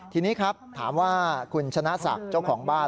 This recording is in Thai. ทีนี้ครับถามว่าคุณชนะศักดิ์เจ้าของบ้าน